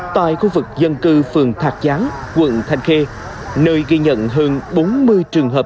tại khu vực dân cư phường thạc giáng quận thanh khê nơi ghi nhận hơn bốn mươi trường hợp